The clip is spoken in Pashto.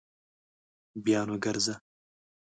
بیا نو ګرځه